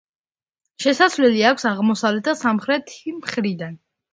შესასვლელი აქვს აღმოსავლეთ და სამხრეთი მხრიდან.